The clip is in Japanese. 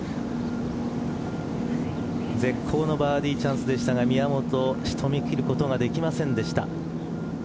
絶好のバーディーチャンスでしたが宮本仕留め切ることができませんでした。